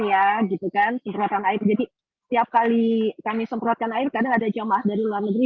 jadi setiap kali kami semprotkan air kadang ada jamaah dari luar negeri